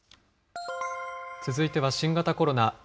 続いては新型コロナ。